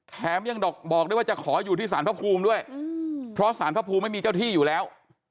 แถมยังบอกด้วยว่าจะขออยู่ที่สารพระภูมิด้วยเพราะสารพระภูมิไม่มีเจ้าที่อยู่แล้ว